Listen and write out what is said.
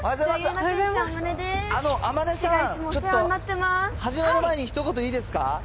天音さん、ちょっと始まる前にひと言いいですか。